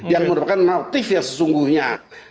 yang merupakan motif yang sesungguhnya